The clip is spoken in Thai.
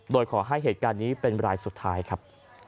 โดยขอให้เหตุการณ์นี้เป็นรายสุดท้ายครับ